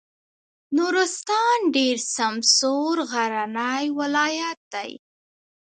نورستان ډېر سمسور غرنی ولایت دی.